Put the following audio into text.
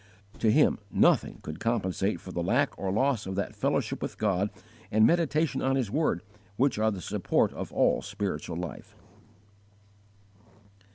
To him nothing could compensate for the lack or loss of that fellowship with God and meditation on His word which are the support of all spiritual life.